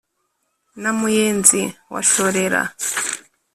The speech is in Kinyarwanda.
na muyenzi wa shorera